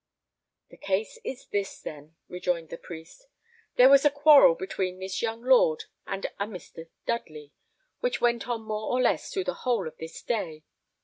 "The case is this, then," rejoined the priest; "there was a quarrel between this young lord and a Mr. Dudley, which went on more or less through the whole of this day.